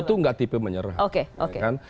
itu tidak tipe menyerang oke oke